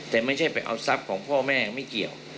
แต่ไม่ใช่ไปเอาทรัพย์ของพ่อแม่ไม่เกี่ยว